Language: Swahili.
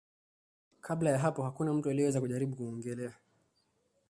Kabla ya hapo hakuna mtu aliyeweza kujaribu kuogelea